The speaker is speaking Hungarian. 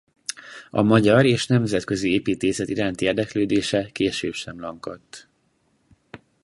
A magyar és nemzetközi építészet iránti érdeklődése később sem lankadt.